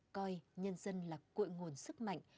coi nhân dân là cội nguồn sức mạnh